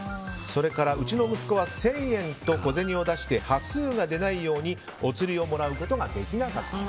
それからうちの息子は１０００円と小銭を出して端数が出ないようにお釣りをもらうことができなかったと。